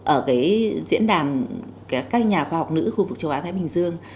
ở cái diễn đàn các nhà khoa học nữ khu vực châu á thái bình dương